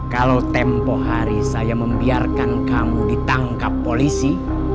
kalau tempoh hari saya membiarkan kamu ditangkap polisi